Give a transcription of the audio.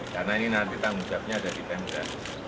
karena ini nanti tanggung jawabnya ada di pemda